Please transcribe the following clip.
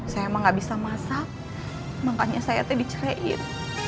saya mah gak bisa masak makanya saya teh diceraiin